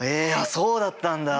そうだったんだ。